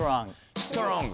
ストロング。